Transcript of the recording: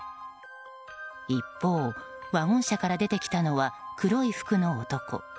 一方、ワゴン車から出てきたのは黒い服の男。